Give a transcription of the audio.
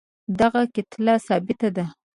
د هغه کتله ثابته ده.